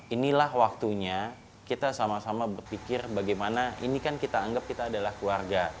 inilah waktunya kita sama sama berpikir bagaimana ini kan kita anggap kita adalah keluarga